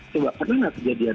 coba pernah nggak kejadian